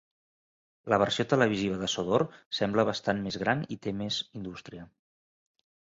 La versió televisiva de Sodor sembla bastant més gran i té més indústria.